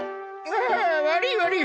あ悪い悪い。